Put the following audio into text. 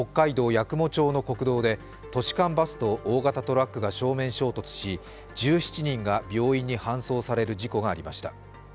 八雲町の国道で都市間バスと大型トラックが正面衝突し、１７人が病院に搬送される事故がありました。